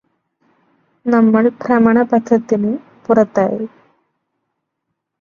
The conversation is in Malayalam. നമ്മള് ഭ്രമണപഥത്തിന് പുറത്തായി